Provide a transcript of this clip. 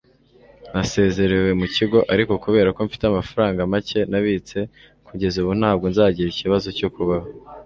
Nasezerewe mu kigo ariko kubera ko mfite amafaranga make nabitse kugeza ubu ntabwo nzagira ikibazo cyo kubaho